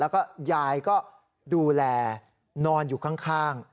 แล้วก็ยายก็ดูแลนอนอยู่ข้าง